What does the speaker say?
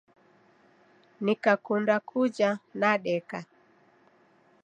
Nikakunda kuja nadeka